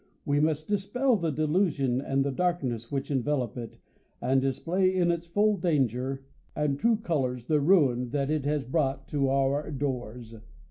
We must dispel the delusion and the darkness which envelop it , and display, in its full danger and true colours, the ruin that it has brought to our doors.